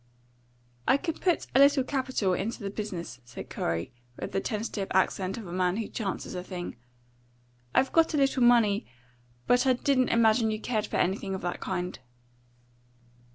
"I could put a little capital into the business," said Corey, with the tentative accent of a man who chances a thing. "I've got a little money, but I didn't imagine you cared for anything of that kind."